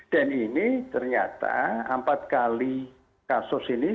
dan ini ternyata empat kali kasus ini